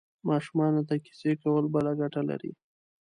ماشومانو ته کیسې کول بله ګټه لري.